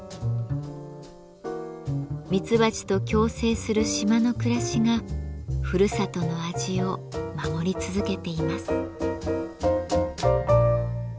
ミツバチと共生する島の暮らしがふるさとの味を守り続けています。